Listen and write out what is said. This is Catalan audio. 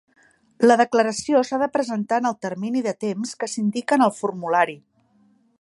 La declaració s'ha de presentar en el termini de temps que s'indica en el formulari.